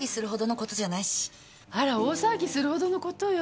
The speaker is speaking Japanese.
あら大騒ぎするほどの事よ！